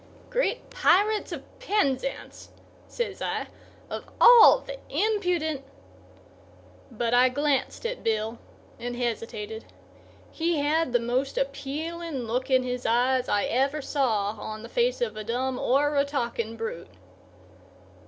"Great pirates of Penzance!" says I; "of all the impudent—" But I glanced at Bill, and hesitated. He had the most appealing look in his eyes I ever saw on the face of a dumb or a talking brute.